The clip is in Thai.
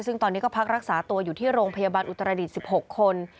ซึ่งตอนนี้ก็พักรักษาตัวอยู่ที่โรงพยาบาลอุตรดิษฐ์๑๖คน